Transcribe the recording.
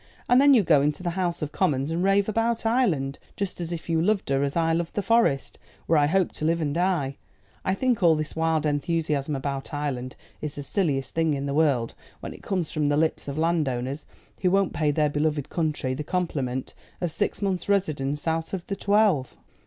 And then you go into the House of Commons, and rave about Ireland, just as if you loved her as I love the Forest, where I hope to live and die. I think all this wild enthusiasm about Ireland is the silliest thing in the world when it comes from the lips of landowners who won't pay their beloved country the compliment of six months' residence out of the twelve."